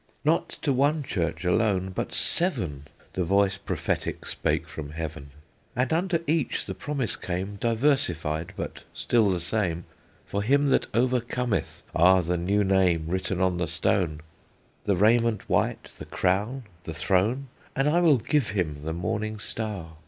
"Not to one church alone, but seven, The voice prophetic spake from heaven; And unto each the promise came, Diversified, but still the same; For him that overcometh are The new name written on the stone, The raiment white, the crown, the throne, And I will give him the Morning Star!